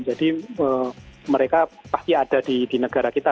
mereka pasti ada di negara kita